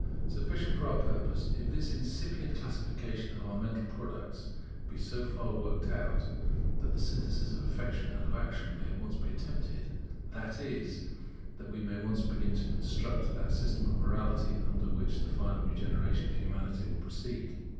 Sufficient for our purpose, if this incipient classification of our mental products be so far worked out that the synthesis of Affection and of Action may be at once attempted; that is, that we may begin at once to construct that system of morality under which the final regeneration of Humanity will proceed.